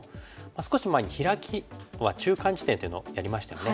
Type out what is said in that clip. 少し前にヒラキは中間地点というのをやりましたよね。